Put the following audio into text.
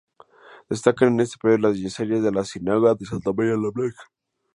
Destacan en este periodo las yeserías de la sinagoga de Santa María la Blanca.